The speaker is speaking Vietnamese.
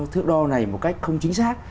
thước đo này một cách không chính xác